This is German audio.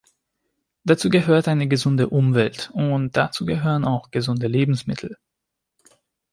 Dazu gehört eine gesunde Umwelt, und dazu gehören auch gesunde Lebensmittel.